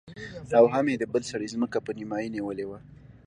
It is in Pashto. او هم يې د بل سړي ځمکه په نيمايي نيولې وه.